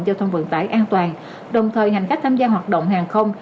giao thông vận tải an toàn đồng thời hành khách tham gia hoạt động hàng không